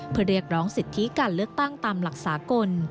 เพื่อเรียกร้องสิทธิการเลือกตั้งตามหลักสากล